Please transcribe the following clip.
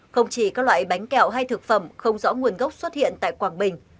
không chỉ các loại bánh kẹo hay thực phẩm không rõ nguồn gốc xuất hiện tại quảng bình